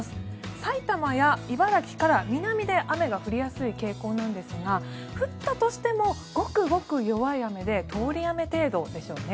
埼玉や茨城から南で雨が降りやすい傾向なんですが降ったとしてもごくごく弱い雨で通り雨程度でしょうね。